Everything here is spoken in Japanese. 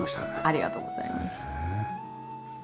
ありがとうございます。